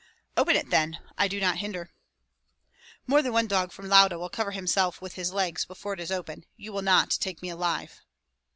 "Open it, then! I do not hinder." "More than one dog from Lauda will cover himself with his legs before it is open. You will not take me alive."